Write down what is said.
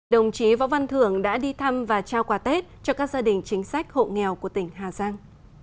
đồng chí võ văn thưởng đã đi thăm và trao quà tết cho các gia đình chính sách hộ nghèo của tỉnh hà giang